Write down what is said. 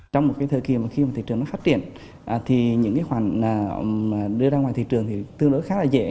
trong một cái thời kỳ mà khi mà thị trường nó phát triển thì những cái khoản đưa ra ngoài thị trường thì tương đối khá là dễ